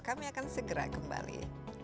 kami akan segera kembali